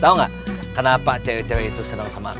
tau gak kenapa cewek cewek itu seneng sama aku